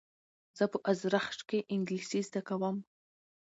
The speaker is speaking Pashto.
زه په ازرخش کښي انګلېسي زده کوم.